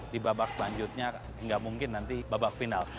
di babak selanjutnya nggak mungkin nanti babak final